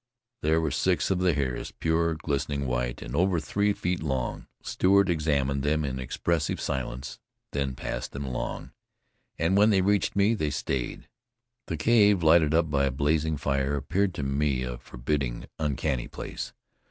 There were six of the hairs, pure, glistening white, and over three feet long. Stewart examined then in expressive silence, then passed them along; and when they reached me, they stayed. The cave, lighted up by a blazing fire, appeared to me a forbidding, uncanny place.